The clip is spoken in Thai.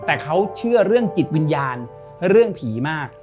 แต่เขาเชื่อเรื่องจิตวิญญาณเรื่องผีมาก